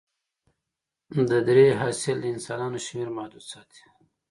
د درې حاصل د انسانانو شمېر محدود ساتي.